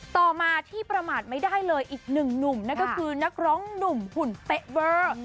ต่อมาที่ประมาทไม่ได้เลยอีกหนึ่งหนุ่มนั่นก็คือนักร้องหนุ่มหุ่นเป๊ะเวอร์